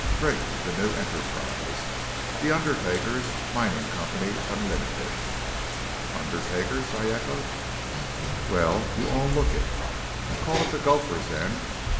Drink to the new enterprise; the Undertakers' Mining Company, Unlimited." "Undertakers?" I echoed. "Well, you all look it. Call it the Gophers, then.